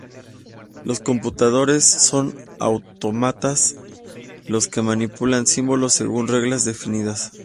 Los computadores son autómatas, los que manipulan símbolos según reglas definidas.